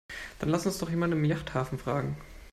Dann lass uns doch jemanden im Yachthafen fragen.